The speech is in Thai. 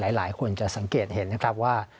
หลายคนจะสังเกตเห็นนะครับว่า